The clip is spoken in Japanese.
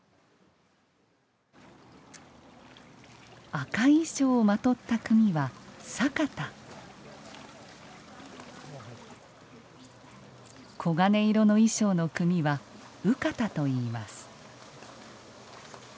赤い衣装をまとった組は左方黄金色の衣装の組は右方といいます。